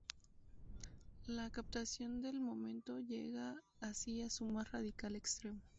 La captación del momento llega así a su más radical extremo.